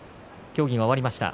協議が終わりました。